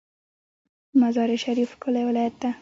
مزار شریف ښکلی ولایت ده